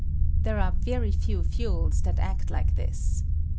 There are very few fuels that act like this.